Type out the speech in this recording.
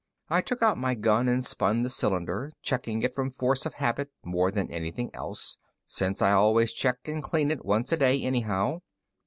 I took out my gun and spun the cylinder, checking it from force of habit more than anything else, since I always check and clean it once a day, anyhow.